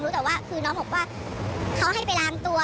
แต่ว่าคือน้องบอกว่าเขาให้ไปล้างตัว